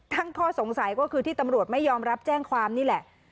ข้อสงสัยก็คือที่ตำรวจไม่ยอมรับแจ้งความนี่แหละ